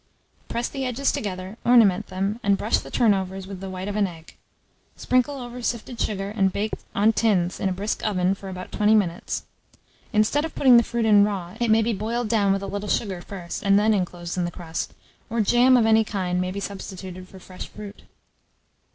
Press the edges together, ornament them, and brush the turnovers over with the white of an egg; sprinkle over sifted sugar, and bake on tins, in a brisk oven, for about 20 minutes. Instead of putting the fruit in raw, it may be boiled down with a little sugar first, and then inclosed in the crust; or jam, of any kind, may be substituted for fresh fruit.